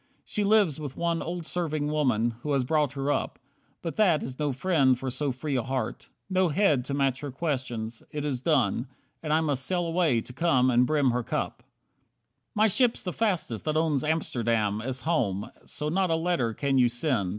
She lives with one Old serving woman, who has brought her up. But that is no friend for so free a heart. No head to match her questions. It is done. And I must sail away to come and brim her cup. 20 My ship's the fastest that owns Amsterdam As home, so not a letter can you send.